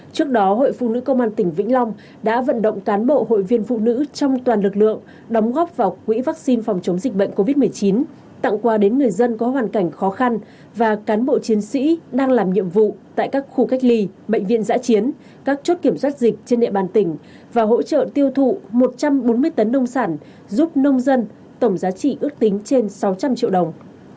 trước đó hội phụ nữ công an tỉnh vĩnh long đã vận động cán bộ hội viên phụ nữ trong toàn lực lượng đóng góp vào quỹ vắc xin phòng chống dịch bệnh covid một mươi chín tặng quà đến người dân có hoàn cảnh khó khăn và cán bộ chiến sĩ đang làm nhiệm vụ tại các khu cách ly bệnh viện giã chiến các chốt kiểm soát dịch trên địa bàn tỉnh và hỗ trợ tiêu thụ một trăm bốn mươi tấn nông sản giúp nông dân tổng giá trị ước tính trên sáu trăm linh triệu đồng